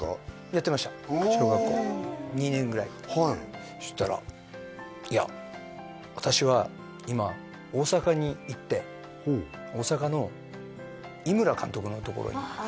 やってましたそしたら「いや私は今大阪に行って」「大阪の井村監督のところに行って」